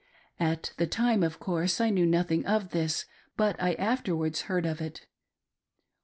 At the time, of course, I knew nothing of this, but I afterwards heard of it.